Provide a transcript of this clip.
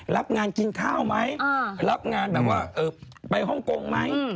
รับงานกินข้าวไหมรับงานแบบว่าไปฮ่องกงไหม